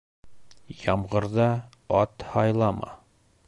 Ямғырҙа ат һайлама